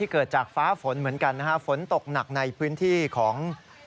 เกิดจากฟ้าฝนเหมือนกันนะฮะฝนตกหนักในพื้นที่ของ